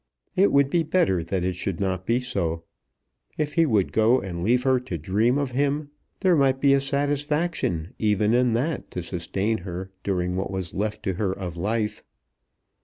It would be better that it should not be so. If he would go and leave her to dream of him, there might be a satisfaction even in that to sustain her during what was left to her of life.